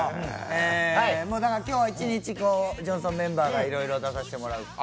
今日は一日「ジョンソン」メンバーがいろいろ出させてもらいます。